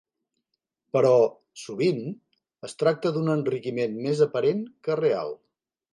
Però, sovint, es tracta d'un enriquiment més aparent que real.